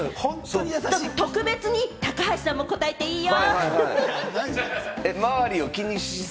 特別に高橋さんも答えていいよ。